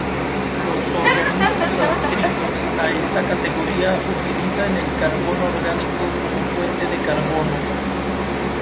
Los organismos adscritos a esta categoría utilizan el carbono orgánico como fuente de carbono.